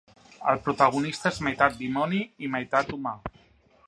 El protagonista és meitat dimoni i meitat humà.